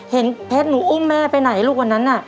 เห็นเพชรหนูอุ้มแม่ไปไหนลูกวันนั้นน่ะ